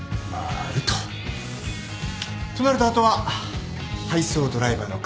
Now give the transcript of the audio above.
となるとあとは配送ドライバーの確保と。